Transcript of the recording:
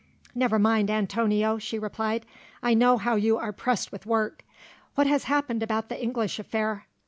"Never mind, Antonio," she replied; "I know how you are pressed with work. What has happened about the English affair?"